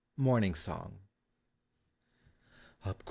MORNING SONG. Up!